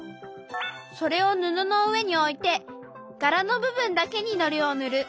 それを布の上において柄の部分だけにのりをぬる。